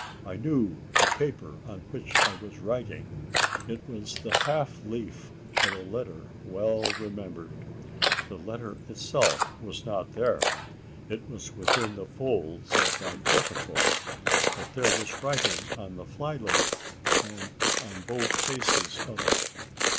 I knew the paper on which I was writing: it was the half leaf of a letter well remembered. The letter itself was not there: it was within the folds of my pocket book; but there was writing on the fly leaf, and on both faces of it.